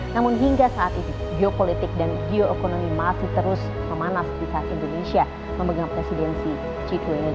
namun hingga saat ini geopolitik dan geoekonomi masih terus memanas di saat indonesia memegang presidensi g dua puluh